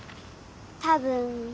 多分。